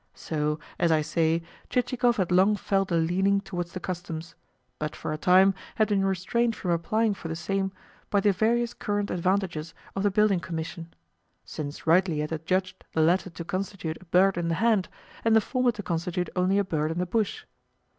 So, as I say, Chichikov had long felt a leaning towards the Customs, but for a time had been restrained from applying for the same by the various current advantages of the Building Commission; since rightly he had adjudged the latter to constitute a bird in the hand, and the former to constitute only a bird in the bush.